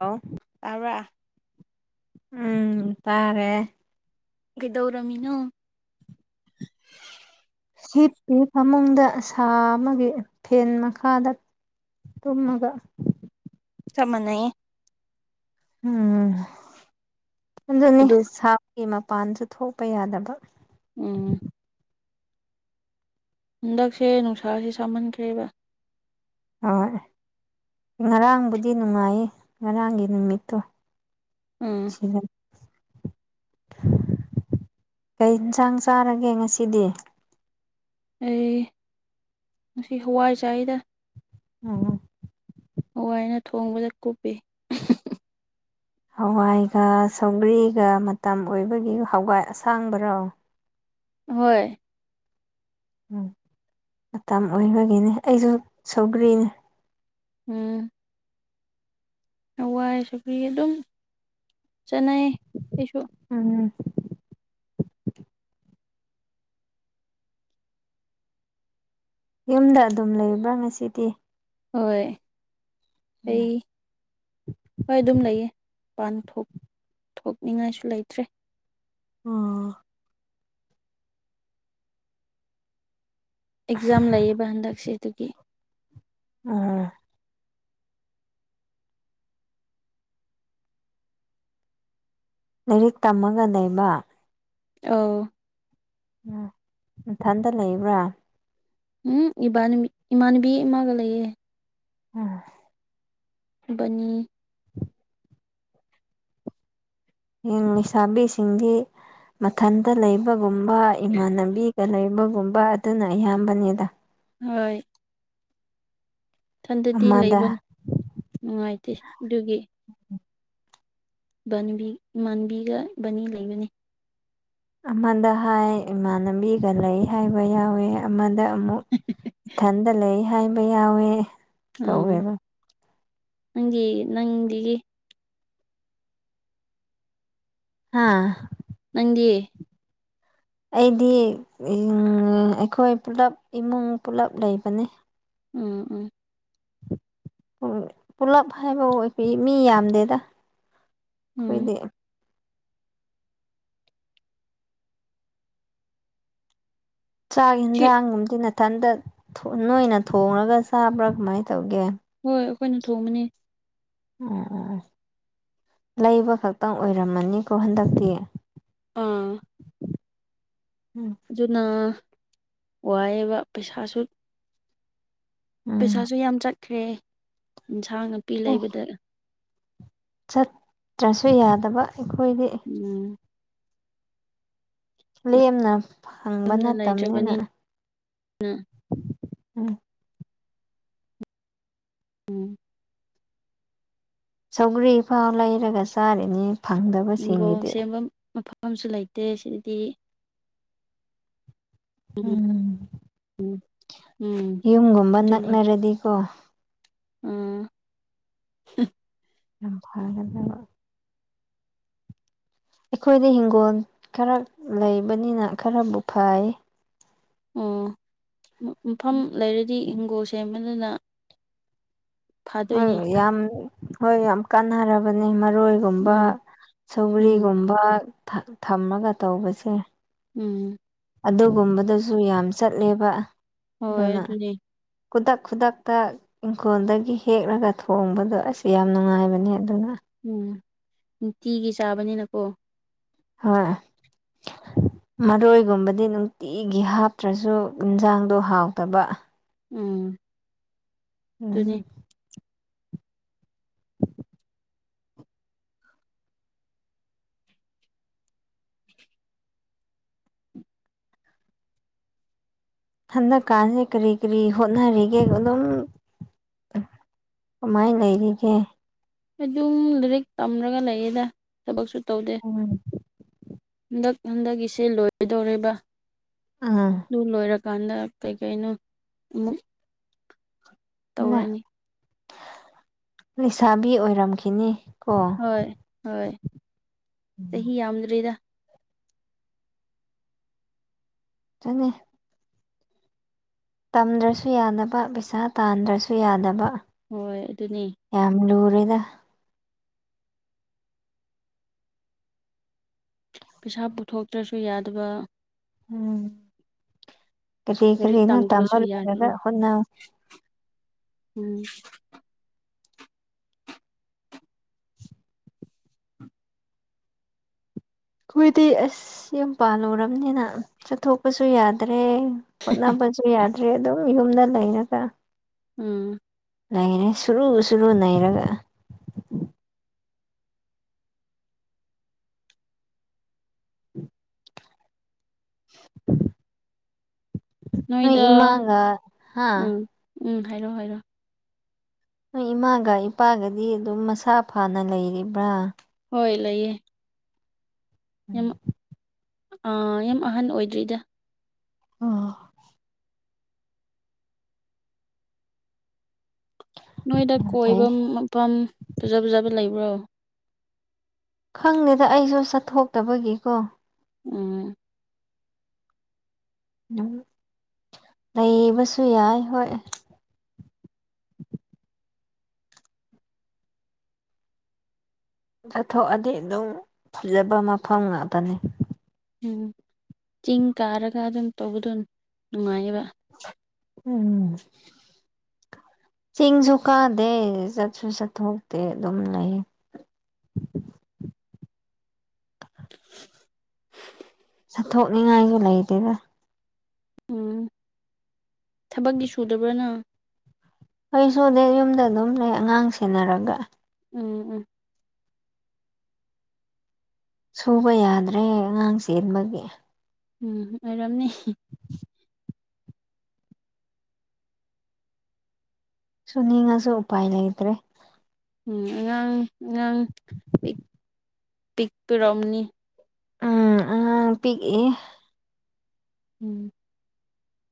Hello. ꯇꯥꯕꯔ꯫ ꯎꯝ ꯇꯥꯔꯦ꯫ ꯀꯩꯗꯧꯔꯝꯃꯤꯅꯣ ꯍꯞꯄꯤ ꯐꯃꯨꯡꯗ ꯁꯥꯕꯒꯤ ꯐꯦꯟ ꯃꯈꯥꯗ ꯇꯨꯝꯃꯒ ꯆꯞ ꯃꯥꯟꯅꯩꯌꯦ ꯎꯝ ꯑꯗꯨꯅꯤ ꯑꯗꯨ ꯁꯥꯕꯒꯤ ꯃꯄꯥꯟꯁꯨ ꯊꯣꯛꯄ ꯌꯥꯗꯕ ꯎꯝ ꯍꯟꯗꯛꯁꯦ ꯅꯨꯡꯁꯥꯁꯦ ꯁꯥꯃꯟꯈ꯭ꯔꯦꯕ ꯍꯣꯏ ꯉꯔꯥꯡꯕꯨꯗꯤ ꯅꯨꯡꯉꯥꯏꯌꯦ ꯉꯔꯥꯡꯒꯤ ꯅꯨꯃꯤꯠꯇꯣ ꯎꯝ [inaudible] ꯀꯩ ꯍꯦꯟꯁꯥꯡ ꯆꯥꯔꯒꯦ ꯉꯁꯤꯗꯤ ꯑꯩ ꯉꯁꯤ ꯍꯋꯥꯏ ꯆꯥꯏꯑꯦꯗ ꯑꯣ ꯍꯋꯥꯏꯅ ꯊꯣꯡꯕꯗ ꯅꯀꯨꯞꯄꯤ ꯍꯋꯥꯏꯒ ꯁꯧꯒ꯭ꯔꯤꯒ ꯃꯇꯝ ꯑꯣꯏꯕꯒꯤ ꯍꯧꯒꯥꯏ ꯑꯁꯥꯡꯕ꯭ꯔꯣ ꯍꯣꯏ ꯎꯝ ꯃꯇꯝ ꯑꯣꯏꯕꯒꯤꯅꯦ ꯑꯩꯁꯨ ꯁꯧꯒ꯭ꯔꯤꯅꯦ ꯎꯝ ꯍꯋꯥꯏ ꯁꯧꯒ꯭ꯔꯤ ꯑꯗꯨꯝ ꯆꯠꯅꯩ ꯑꯩꯁꯨ ꯎꯝ ꯌꯨꯝꯗ ꯑꯗꯨꯝ ꯂꯩꯕ꯭ꯔꯥ ꯉꯁꯤꯗꯤ ꯍꯣꯏ ꯎꯝ ꯑꯩ ꯍꯣꯏ ꯑꯗꯨꯝ ꯂꯩꯌꯦ ꯄꯥꯟ ꯊꯣꯛ ꯊꯣꯛꯅꯤꯡꯉꯥꯏꯁꯨ ꯂꯩꯇ꯭ꯔꯦ ꯑꯣ ꯑꯦꯛꯖꯥꯝ ꯂꯩꯌꯦꯕ ꯍꯟꯗꯛꯁꯦ ꯑꯗꯨꯒꯤ ꯑꯥ ꯂꯥꯏꯔꯤꯛ ꯇꯝꯃꯒ ꯂꯩꯩꯕ ꯑꯣ ꯎꯝ ꯅꯊꯟꯇꯥ ꯂꯩꯕ꯭ꯔꯥ ꯍꯨꯝ ꯏꯕꯥ ꯏꯃꯥꯟꯅꯕꯤ ꯑꯃꯒ ꯂꯩꯌꯦ ꯎꯝ ꯏꯕꯥꯅꯤ ꯎꯝ ꯂꯩꯁꯥꯕꯤꯁꯤꯡꯗꯤ ꯃꯊꯟꯇ ꯂꯩꯕ ꯕꯒꯨꯝꯕ ꯏꯃꯥꯟꯅꯕꯤꯒ ꯂꯩꯕꯒꯨꯝꯕ ꯑꯗꯨꯅ ꯑꯌꯥꯝꯕꯅꯤꯗ ꯍꯣꯏ ꯏꯊꯟꯇꯥꯗꯤ ꯑꯃꯗ ꯂꯩꯕ ꯅꯨꯡꯉꯥꯏꯇꯦ ꯑꯗꯨꯒꯤ ꯎꯝ ꯏꯕꯥꯟꯅꯕꯤ ꯏꯃꯥꯟꯕꯤꯒ ꯏꯕꯥꯅꯤ ꯂꯩꯃꯤꯟꯅꯩ ꯑꯃꯗ ꯍꯥꯏ ꯏꯃꯥꯟꯅꯕꯤꯒ ꯂꯩ ꯍꯥꯏꯕ ꯌꯥꯎꯋꯦ ꯑꯃꯗ ꯑꯃꯨꯛ ꯏꯊꯟꯗ ꯂꯩ ꯍꯥꯏꯕ ꯌꯥꯎꯋꯦ ꯎꯝ ꯇꯧꯋꯦꯕ ꯅꯪꯗꯤ ꯅꯪꯒꯤꯗꯤ ꯍꯥꯥ ꯅꯪꯗꯤ ꯑꯩꯗꯤ ꯑꯩꯈꯣꯏ ꯄꯨꯜꯂꯞ ꯏꯃꯨꯡ ꯄꯨꯜꯂꯞ ꯂꯩꯕꯅꯦ ꯎꯝ ꯎꯝ ꯍꯣꯏ ꯄꯨꯜꯂꯞ ꯍꯥꯏꯕꯕꯨ ꯑꯩꯈꯣꯏ ꯃꯤ ꯌꯥꯝꯗꯦꯗ ꯎꯝ ꯈꯣꯏꯗꯤ ꯆꯥꯛ ꯁꯤ ꯌꯦꯟꯁꯥꯡꯒꯨꯝꯗꯤ ꯅꯊꯟꯇ ꯅꯣꯏꯅ ꯊꯣꯡꯉꯒ ꯆꯥꯕ꯭ꯔꯥ ꯀꯃꯥꯏ ꯇꯧꯒꯦ ꯍꯣꯏ ꯑꯩꯈꯣꯏꯅ ꯊꯣꯡꯕꯅꯤ ꯑꯣ ꯑꯣ ꯑꯣ ꯂꯩꯕ ꯈꯛꯇꯪ ꯑꯣꯏꯔꯝꯃꯅꯤꯀꯣ ꯍꯟꯗꯛꯇꯤ ꯑꯥ ꯑꯥ ꯑꯗꯨꯅ ꯋꯥꯏꯑꯦꯕ ꯄꯩꯁꯥꯁꯨ ꯎꯝ ꯄꯩꯁꯥꯁꯨ ꯌꯥꯝ ꯆꯠꯈ꯭ꯔꯦ ꯏꯟꯁꯥꯡ ꯅꯥꯄꯤ ꯂꯩꯕꯗ ꯆꯠꯇ꯭ꯔꯁꯨ ꯌꯥꯗꯕ ꯑꯩꯈꯣꯏꯗꯤ ꯎꯝ ꯂꯦꯝꯅ ꯐꯪꯕ ꯌꯨꯝꯗ ꯂꯩꯇ꯭ꯔꯤꯕꯅꯤ ꯅ ꯑ ꯎꯝ ꯁꯧꯒ꯭ꯔꯤ ꯐꯥꯎ ꯂꯩꯔꯒ ꯆꯥꯔꯤꯅꯤ ꯏꯪꯒꯣꯜ ꯐꯪꯗꯕꯁꯤꯡꯒꯤꯗꯤ ꯁꯦꯝꯕ ꯃꯐꯝꯁꯨ ꯂꯩꯇꯦ ꯁꯤꯗꯗꯤ ꯎꯝ ꯎꯝ ꯎꯝ ꯌꯨꯝꯒꯨꯝꯕ ꯅꯛꯅꯔꯗꯤꯀꯣ ꯎꯝ ꯌꯥꯝ ꯐꯒꯗꯕ ꯑꯩꯈꯣꯏꯗꯤ ꯍꯤꯡꯒꯣꯜ ꯈꯔ ꯂꯩꯕꯅꯤꯅ ꯈꯔꯕꯨ ꯐꯩꯌꯦ ꯎꯝ ꯃ ꯃꯐꯝ ꯂꯩꯔꯗꯤ ꯍꯤꯡꯒꯣꯜ ꯁꯦꯝꯕꯗꯨꯅ ꯍꯣꯏ ꯐꯥꯗꯣꯏꯅꯦ ꯌꯥꯝ ꯍꯣꯏ ꯌꯥꯝ ꯀꯥꯟꯅꯔꯕꯅꯦ ꯃꯔꯣꯏ ꯒꯨꯝꯕ ꯎꯝ ꯎꯝ ꯁꯧꯒ꯭ꯔꯤꯒꯨꯝꯕ ꯊ ꯊꯝꯃꯒ ꯇꯧꯕꯁꯦ ꯎꯝ ꯑꯗꯨꯒꯨꯝꯕꯗꯁꯨ ꯌꯥꯝ ꯆꯠꯂꯦꯕ ꯍꯣꯏ ꯑꯗꯨꯅ ꯑꯗꯨꯅꯦ ꯈꯨꯗꯛ ꯈꯨꯗꯛꯇ ꯏꯪꯈꯣꯜꯗꯒꯤ ꯍꯦꯛꯂꯒ ꯊꯣꯡꯕꯗꯣ ꯑꯁ ꯌꯥꯝ ꯅꯨꯡꯉꯥꯏꯕꯅꯦ ꯑꯗꯨꯅ ꯎꯝ ꯅꯨꯡꯇꯤꯒꯤ ꯆꯥꯕꯅꯤꯅꯀꯣ ꯍꯥꯏ ꯃꯔꯣꯏꯒꯨꯝꯕꯗꯤ ꯅꯨꯡꯇꯤꯒꯤ ꯍꯥꯞꯇ꯭ꯔꯁꯨ ꯏꯟꯁꯥꯡꯗꯣ ꯍꯥꯎꯇꯕ ꯎꯝ ꯑꯗꯨꯅꯦ ꯎꯝ ꯍꯟꯗꯛ ꯀꯥꯟꯁꯦ ꯀꯔꯤ ꯀꯔꯤ ꯍꯣꯠꯅꯔꯤꯒꯦ ꯑꯗꯨꯝ ꯀꯃꯥꯏꯟ ꯂꯩꯔꯤꯒꯦ ꯑꯗꯨꯝ ꯂꯥꯏꯔꯤꯛ ꯇꯝꯔꯒ ꯂꯩꯌꯦꯗ ꯊꯕꯛꯁꯨ ꯇꯧꯗꯦ ꯎꯝ ꯍꯟꯗꯛ ꯍꯟꯗꯛꯒꯤꯁꯦ ꯂꯣꯏꯗꯣꯔꯦꯕ ꯑꯥ ꯑꯗꯨ ꯂꯣꯏꯔꯀꯥꯟꯗ ꯀꯩꯀꯩꯅꯣ ꯑꯃꯨꯛ ꯅ ꯇꯧꯔꯅꯤ ꯂꯩꯁꯥꯕꯤ ꯑꯣꯏꯔꯝꯈꯤꯅꯤ ꯀꯣ ꯍꯣꯏ ꯍꯣꯏ ꯎꯝ ꯆꯍꯤ ꯌꯥꯝꯗ꯭ꯔꯤꯗ ꯆꯪꯅꯤ ꯇꯝꯗ꯭ꯔꯁꯨ ꯌꯥꯗꯕ ꯄꯩꯁꯥ ꯇꯥꯟꯗ꯭ꯔꯁꯨ ꯌꯥꯗꯕ ꯍꯣꯏ ꯑꯗꯨꯅꯦ ꯌꯥꯝ ꯂꯨꯔꯦꯗꯥ ꯄꯩꯁꯥ ꯄꯨꯊꯣꯛꯇ꯭ꯔꯁꯨ ꯌꯥꯗꯕ ꯎꯝ ꯀꯔꯤ ꯂꯥꯏꯔꯤꯛ ꯀꯔꯤꯅꯣ ꯇꯝꯕ ꯇꯝꯗꯕꯁꯨ ꯂꯣꯏꯔꯒ ꯌꯥꯗꯕ ꯍꯣꯠꯅꯧ ꯎꯝ ꯑꯩꯈꯣꯏꯗꯤ ꯑꯁ ꯌꯥꯝ ꯄꯥꯜꯂꯨꯔꯕꯅꯤꯅ ꯆꯠꯊꯣꯛꯄꯁꯨ ꯌꯥꯗ꯭ꯔꯦ ꯍꯣꯠꯅꯕ ꯁꯨ ꯌꯥꯗ꯭ꯔꯦ ꯑꯗꯨꯝ ꯌꯨꯝꯗ ꯂꯩꯔꯒ ꯎꯝ ꯂꯩꯔꯦ ꯁꯨꯔꯨ ꯁꯨꯔꯨ ꯅꯩꯔꯒ ꯅꯣꯏ ꯅꯣꯏꯗ ꯏꯃꯥꯒ ꯍꯥꯥ ꯎꯝ ꯎꯝ ꯍꯥꯏꯔꯣ ꯍꯥꯏꯔꯣ ꯅꯣꯏ ꯏꯃꯥꯒ ꯏꯄꯥꯒꯗꯤ ꯑꯗꯨꯝ ꯃꯁꯥ ꯐꯅ ꯂꯩꯔꯤꯕ꯭ꯔ ꯍꯣꯏ ꯂꯩꯌꯦ ꯌꯥꯝ ꯌꯥꯝ ꯑꯍꯟ ꯑꯣꯏꯗ꯭ꯔꯤꯗ ꯑꯣ ꯅꯣꯏꯗ ꯐꯩ ꯀꯣꯏꯕ ꯃꯐꯝ ꯐꯖ ꯐꯖꯕ ꯂꯩꯕ꯭ꯔꯣ ꯈꯪꯗꯦꯗ ꯑꯩꯁꯨ ꯆꯠꯊꯣꯛꯇꯕꯒꯤꯀꯣ ꯎꯝ ꯎꯝ ꯂꯩꯕꯁꯨ ꯌꯥꯏ ꯍꯣꯏ ꯆꯠꯊꯣꯛꯑꯗꯤ ꯑꯗꯨꯝ ꯐꯖꯕ ꯃꯐꯝ ꯉꯥꯛꯇꯅꯤ ꯎꯝ ꯆꯤꯡ ꯀꯥꯔꯒ ꯑꯗꯨꯝ ꯇꯧꯕꯗꯣ ꯅꯨꯡꯉꯥꯏꯌꯦꯕ ꯎꯝ ꯆꯤꯡꯖꯨ ꯀꯥꯗꯦ ꯆꯠꯁꯨ ꯆꯠꯊꯣꯛꯇ‌ꯦ ꯑꯗꯨꯝ ꯂꯩ ꯆꯠꯊꯣꯛꯅꯤꯡꯉꯥꯏꯒ ꯂꯩꯇꯦꯗ ꯎꯝ ꯊꯕꯛꯇꯤ ꯁꯨꯗꯕ꯭ꯔ ꯅꯪ ꯑꯩ ꯁꯨꯗ‌ꯦ ꯌꯨꯝꯗ ꯑꯗꯨꯝ ꯂꯩ ꯑꯉꯥꯡ ꯁꯦꯟꯅꯔꯒ ꯎꯝ ꯎꯝ ꯁꯨꯕ ꯌꯥꯗ꯭ꯔꯦ ꯑꯉꯥꯡ ꯆꯦꯟꯕꯒꯤ ‌ ꯎꯝ ꯑꯣꯏꯔꯝꯅꯤ [inaudible] ꯁꯨꯅꯤꯡꯉꯁꯨ ꯎꯄꯥꯏ ꯂꯩꯇ꯭ꯔ‌ꯦ ꯎꯝ ꯑꯉꯥꯡ ꯑꯉꯥꯡ ꯄꯤꯛ ꯄꯤꯛꯄꯩ ꯑ‌ꯣꯏꯔꯝꯅꯤ ꯎꯝ ꯑꯉꯥꯡ ꯄꯤꯛꯏ ꯎꯝ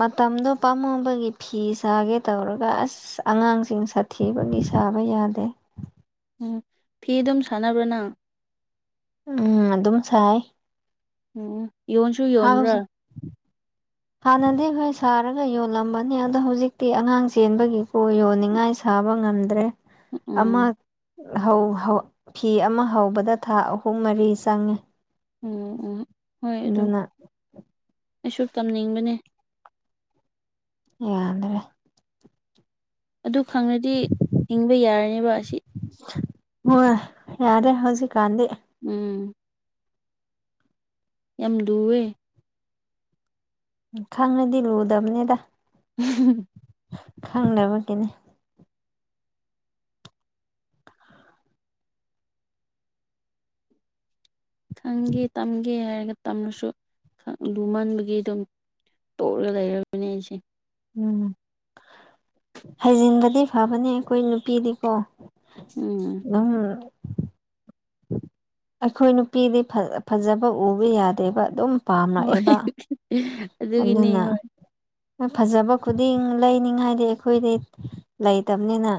ꯃꯇꯝꯗꯣ ꯄꯥꯝꯃꯨꯕꯒꯤ ꯐꯤ ꯁꯥꯒꯦ ꯇꯧꯔꯒ ꯑꯁ ꯑꯉꯥꯡꯁꯤꯡ ꯁꯥꯊꯤꯕꯒꯤ ꯁꯥꯕ ꯌꯥꯗꯦ ꯎꯝ ꯐꯤ ꯑꯗꯨꯝ ꯁꯥꯟꯅꯕ꯭ꯔ ꯅꯪ ꯎꯝ ꯑꯗꯨꯝ ꯁꯥꯏ ꯎꯝ ꯌꯣꯟꯁꯨ ꯍꯥꯎ ꯌꯣꯟꯕ꯭ꯔꯥ ꯁ‌ꯦ ꯍꯥꯟꯅꯗꯤ ꯑꯩꯈꯣꯏ ꯁꯥꯔꯒ ꯌꯣꯜꯂꯝꯕꯅꯦ ꯑꯗꯣ ꯍꯧꯖꯤꯛꯇꯤ ꯑꯉꯥꯡ ꯆꯦꯟꯕꯒꯤ ꯌꯣꯟꯅꯤꯡꯉꯥꯏ ꯁꯥꯕ ꯉꯝꯗ꯭ꯔꯦ ꯑꯃ ꯎꯝ ꯍꯧ ꯍꯧ ꯐꯤ ꯑꯃ ꯍꯧꯕꯗ ꯊꯥ ꯑꯍꯨꯝ ꯃꯔꯤ ꯆꯪꯉꯤ ꯎꯝ ꯎꯝ ꯍꯣꯏ ꯑꯗꯨꯝ ꯑꯩꯁꯨ ꯇꯝꯅꯤꯡꯕꯅꯦ ꯌꯥꯗ꯭ꯔꯦ ꯑꯗꯨ ꯈꯪꯉꯗꯤ ꯍꯤꯡꯕ ꯌꯥꯔꯅꯦꯕ ꯑꯁꯤ ꯍ‌ꯣꯏ ꯌꯥꯔꯦ ꯍꯧꯖꯤꯛꯀꯥꯟꯗꯤ ꯎꯝ ꯌꯥꯝ ꯂꯨꯌꯦ ꯈꯪꯂꯗꯤ ꯂꯨꯗꯝꯅꯦꯗ ꯫ [unintelligible] ꯈꯪꯗꯕꯒꯤꯅꯤ ꯈꯪꯒꯦ ꯇꯝꯒꯦ ꯍꯥꯏꯔꯒ ꯇꯝꯔꯁꯨ ꯂꯨꯃꯟꯕꯒꯤ ꯑꯗꯨꯝ ꯇꯣꯛꯂꯒ ꯂꯩꯔꯕꯅꯦ ꯑꯩꯁꯦ ꯫ ꯎꯝ ꯍꯩꯖꯤꯟꯕꯗꯤ ꯐꯕꯅꯦ ꯑꯩꯈꯣꯏ ꯅꯨꯄꯤꯗꯤꯀꯣ ꯫ ꯎꯝ ꯅꯪ ꯑꯩꯈꯣꯏ ꯅꯨꯄꯤꯗꯤ ꯐ ꯐꯖꯕ ꯎꯕ ꯌꯥꯗꯦꯕ ꯑꯗꯨꯝ ꯍꯣꯏ ꯄꯥꯝꯔꯛꯑꯦꯕ ꯑꯗꯨꯒꯤꯅꯤ ꯑꯗꯨꯅ ꯍꯣꯏ ꯐꯖꯕ ꯈꯨꯗꯤꯡ ꯂꯩꯅꯤꯉꯥꯏꯗꯤ ꯑꯩꯈꯣꯏꯗꯤ ꯂꯩꯇꯕꯅ‌ꯤꯅ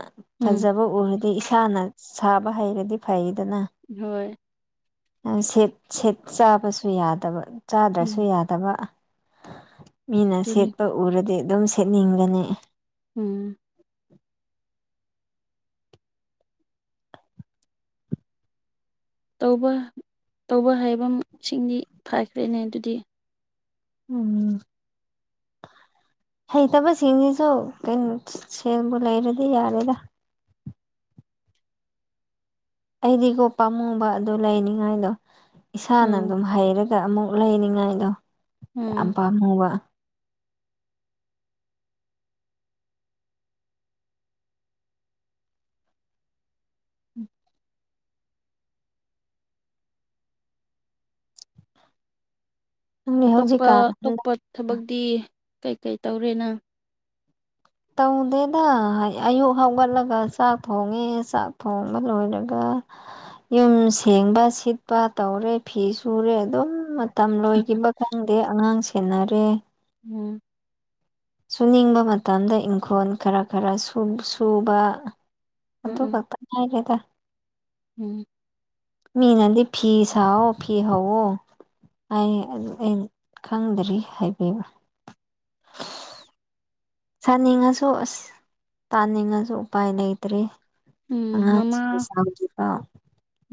ꯎꯝ ꯐꯖꯕ ꯎꯔꯗꯤ ꯏꯁꯥꯅ ꯁꯥꯕ ꯍꯩꯔꯗꯤ ꯐꯩꯗꯅ ꯍꯣꯏ ꯁ‌ꯦꯠ ꯁꯦꯠ ꯆꯥꯕꯁꯨ ꯌꯥꯗꯕ ꯎꯝ ꯆꯥꯗ꯭ꯔꯁꯨ ꯌꯥꯗꯕ ꯃꯤꯅ ꯑꯗꯨꯅꯤ ꯁꯦꯠꯄ ꯎꯔꯗꯤ ꯑꯗꯨꯝ ꯁꯦꯠꯅꯤꯡꯒꯅꯤ ꯫ ꯎꯝ ꯇꯧꯕ ꯇꯧꯕ ꯍꯥꯏꯕꯁꯤꯡꯗꯤ ꯐꯥꯈ꯭ꯔꯦꯅꯦ ꯑꯗꯨꯗꯤ ꯫ ꯎꯝ ꯍꯩꯇꯕꯁꯤꯡꯁꯤꯗꯤ ꯀꯣ ꯀꯩꯅꯣ ꯁꯦꯜꯕꯨ ꯂꯩꯔꯗꯤ ꯌꯥꯔꯦꯗ ꯑꯩꯗꯤꯀ‌ꯣ ꯄꯥꯝꯃꯨꯕ ꯑꯗꯨ ꯂꯩꯅꯤꯉꯥꯏꯗꯣ ꯏꯁꯥꯅ ꯎꯝ ꯑꯗꯨꯝ ꯍꯩꯔ ꯁꯤꯗ ꯑꯃꯨꯛ ꯂꯩꯅꯤꯉꯥꯏꯗꯣ ꯎꯝ ꯌꯥꯝ ꯄꯥꯝꯃꯨꯕ ꯅꯪꯗꯤ ꯑꯇꯣꯞꯄ ꯍꯧꯖꯤꯛꯀꯥꯟ ꯑꯇꯣꯞꯄ ꯊꯕꯛꯇꯤ ꯀꯩ ꯀꯩ ꯇꯧꯔꯦ ꯅꯪ? ꯇꯧꯗꯦꯗ ꯑꯌꯨꯛ ꯍꯧꯒꯠꯂꯒ ꯆꯥꯛ ꯊꯣꯡꯉꯦ ꯆꯥꯛ ꯊꯣꯡꯕ ꯂꯣꯏꯔꯒ ꯌꯨꯝ ꯁꯦꯡꯕ ꯁꯤꯠꯄ ꯇꯧꯔꯦ ꯐꯤ ꯁꯨꯔꯦ ꯑꯗꯨꯝ ꯃꯇꯝ ꯂꯣꯏꯈꯤꯕ ꯈꯪꯗꯦ ꯑꯉꯥꯡ ꯁꯦꯟꯅꯔꯦ ꯎꯝ ꯁꯨꯅꯤꯡꯕ ꯃꯇꯝꯗ ꯏꯪꯈꯣꯜ ꯈꯔ ꯈꯔ ꯁꯨ ꯁꯨꯕ ꯎꯝ ꯑꯗꯨ ꯎꯝ ꯈꯛꯇꯪ ꯉꯥꯏꯔꯦꯗ ꯎꯝ ꯃꯤꯅꯗꯤ ꯐꯤ ꯁꯥꯋꯣ ꯐꯤ ꯍꯧꯋꯣ ꯍꯥꯢꯌꯦ ꯑꯩ ꯈꯪꯗ꯭ꯔꯤ ꯍꯥꯏꯕꯤꯕ ꯁꯥꯅꯤꯡꯉꯁꯨ ꯑꯁ ꯇꯥꯅꯤꯡꯉꯁꯨ ꯎꯄꯥꯏ ꯂꯩꯇ꯭ꯔꯦ ꯎꯝ ꯑꯉꯥꯡꯁꯤꯡ ꯃꯃꯥ ꯆꯥꯎꯗ꯭ꯔꯤꯕ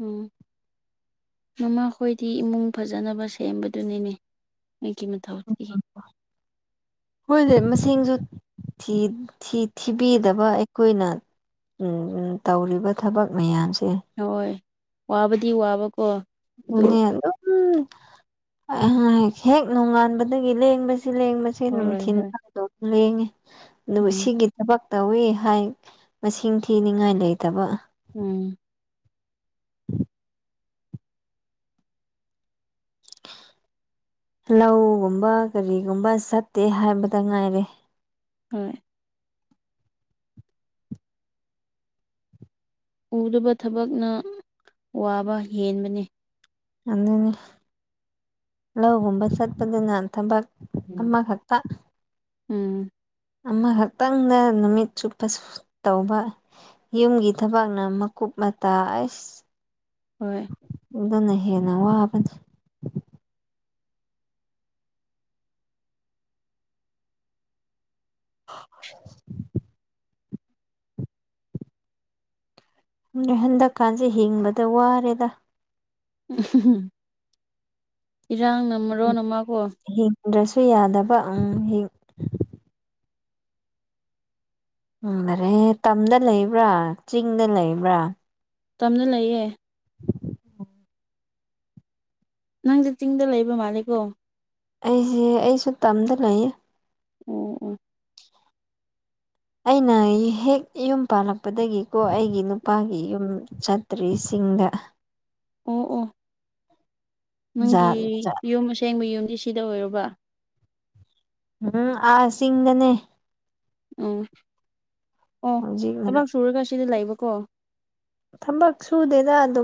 ꯎꯝ ꯃꯃꯥꯈꯣꯏꯗꯤ ꯏꯃꯨꯡ ꯐꯖꯅꯕ ꯁꯦꯝꯕꯗꯨꯅꯤꯅꯦ ꯃꯣꯢꯒꯤ ꯃꯊꯧꯗꯤ ꯃꯣꯏꯖꯦ ꯃꯁꯤꯡꯖꯨ ꯊꯤ ꯊꯤ ꯊꯤꯕꯤꯒꯗꯕ ꯑꯩꯈꯣꯏꯅ [unintelligible] ꯇꯧꯔꯤꯕ ꯊꯕꯛ ꯃꯌꯥꯝꯁꯦ ꯍꯣꯏ ꯋꯥꯕꯗꯤ ꯋꯥꯕꯀꯣ ꯑꯗꯨ ꯑꯗꯨꯅꯦ ꯑꯗꯨꯝ [unintelligible] ꯍꯦꯛ ꯅꯣꯡꯉꯥꯟꯕꯗꯒꯤ ꯂꯦꯡꯕꯁꯤ ꯂꯦꯡꯕꯁꯤ ꯁꯤ ꯍꯣꯏ ꯅꯨꯡꯊꯤꯟ ꯍꯣꯏ [unintelligible] ꯂꯦꯡꯉꯦ ꯑꯗꯨꯕꯨ ꯎꯝ ꯁꯤꯒꯤ ꯊꯕꯛ ꯇꯧꯋꯤ ꯍꯥꯏ ꯃꯁꯤꯡ ꯊꯤꯅꯤꯡꯉꯥꯏ ꯂꯩꯇꯕ ꯎꯝ ꯂꯧꯒꯨꯝꯕ ꯀꯔꯤꯒꯨꯝꯕ ꯆꯠꯇꯦ ꯍꯥꯏꯕꯗ ꯉꯥꯏꯔꯦ ꯍꯣꯏ ꯎꯗꯕ ꯊꯕꯛꯅ ꯋꯥꯕ ꯍꯦꯟꯕꯅ‌ꯦ ꯑꯗꯨꯅꯤ ꯂꯧꯍꯨꯝꯕ ꯆꯠꯄꯗꯨꯅ ꯊꯕꯛ ꯑꯃꯈꯛꯇ ꯎꯝ ꯑꯃꯈꯛꯇꯪꯗ ꯅꯨꯃꯤꯠ ꯆꯨꯞꯄ ꯁꯨ ꯇꯧꯕ ꯌꯨꯝꯒꯤ ꯊꯕꯛꯅ ꯃꯀꯨꯞ ꯃꯇꯥ ꯑꯁ ꯍꯣꯏ ꯑꯗꯨꯅ ꯍꯦꯟꯅ ꯋꯥꯕꯅꯤ [inaudible] ꯅꯣꯏ ꯍꯟꯗꯛꯀꯥꯟꯖ‌ꯦ ꯍꯤꯡꯕꯗ ꯋꯥꯔꯦꯗ ꯎꯝ ꯏꯔꯥꯡꯅ ꯃꯣꯔ‌ꯣꯟ ꯑꯃ ꯀꯣ ꯗ꯭ꯔꯁꯨ ꯌꯥꯗꯕ ꯎꯝ ꯍꯤꯡ ꯎꯝ ꯑꯔꯦ ꯇꯝꯗ ꯂꯩꯕ꯭ꯔꯥ ꯆꯤꯡꯗ ꯂꯩꯕ꯭ꯔꯥ ꯇꯝꯅ ꯂꯩꯌꯦ ꯅꯪꯗꯤ ꯆꯤꯡꯗ ꯂꯩꯕ ꯃꯥꯜꯂ‌ꯦꯀꯣ ꯑꯩꯖ‌ꯦ ꯑꯩꯁꯨ ꯇꯝꯗ ꯂꯩꯌꯦ ꯎꯝ ꯎꯝ ꯑꯩꯅ ꯍꯦꯛ ꯌꯨꯝ ꯄꯥꯜꯂꯛꯄꯗꯒꯤꯀꯣ ꯑꯩꯒꯤ ꯅꯨꯄꯥꯒꯤ ꯌꯨꯝ ꯆꯠꯇ꯭ꯔꯤꯁꯤꯡꯗ ꯑꯣ ꯑꯣ ꯅꯪꯒꯤ ꯖꯥꯠ ꯖꯥꯠ ꯌꯨꯝ ꯑꯁꯦꯡꯕ ꯌꯨꯝꯗꯤ ꯁꯤꯗ ꯑꯣꯏꯔꯕ ꯎꯝ ꯑꯁꯤꯡꯗꯅꯦ ꯎꯝ ꯑꯣ ꯍꯧꯖꯤꯛꯅ ꯊꯕꯥꯛ ꯁꯨꯔꯒ ꯁꯤꯗ ꯂꯩꯕꯀꯣ ꯊꯕꯛ ꯁꯨꯗꯦꯗ ꯑꯗꯨꯝ